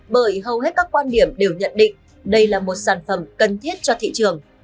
bởi hầu hết các quan điểm đều nhận định đây là một sản phẩm cần thiết cho thị trường